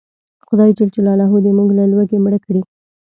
خدای ج دې موږ له لوږې مړه کړي